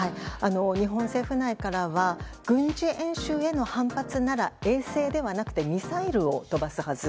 日本政府内からは軍事演習への反発なら衛星ではなくてミサイルを飛ばすはず。